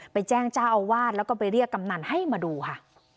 แจ้งเจ้าอาวาสแล้วก็ไปเรียกกำนันให้มาดูค่ะ